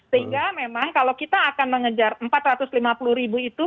sehingga memang kalau kita akan mengejar empat ratus lima puluh ribu itu